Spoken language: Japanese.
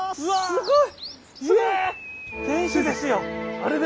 すごい！